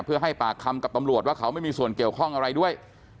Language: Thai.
เพื่อให้ปากคำกับตำรวจว่าเขาไม่มีส่วนเกี่ยวข้องอะไรด้วย